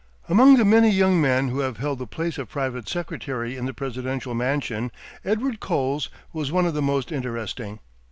Among the many young men who have held the place of private secretary in the presidential mansion, Edward Coles was one of the most interesting.